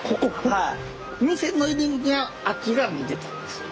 はい。